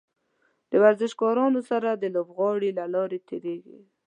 د ورزشکارانو سره د لوبغالي له لارې تیریږي.